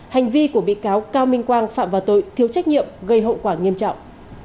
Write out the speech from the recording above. hành vi của bị cáo cao minh quang phạm vào tội thiếu trách nhiệm gây hậu quả nghiêm trọng